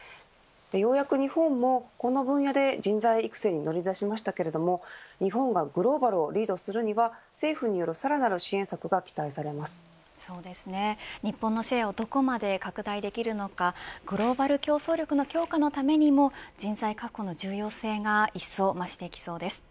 ようやく日本も、この分野で人材育成に乗り出しましたが日本がグローバルをリードするには政府による日本のシェアをどこまで拡大できるのかグローバル競争力の強化のためにも人材確保の重要性が一層、増していきそうです。